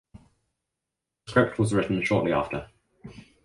The script was written shortly after.